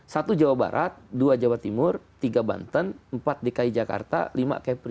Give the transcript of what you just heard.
satu jawa barat dua jawa timur tiga banten empat dki jakarta lima kepri